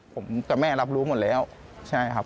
ผมกับแม่รับรู้หมดแล้วใช่ครับ